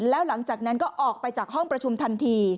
แล้วหลังจากนั้นก็ออกไปจากห้องประชุมทันที